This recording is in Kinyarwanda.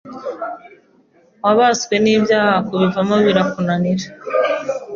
wabaswe n’ibyaha kubivamo birakunanira